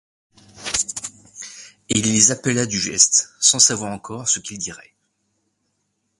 Et il les appela du geste, sans savoir encore ce qu’il dirait.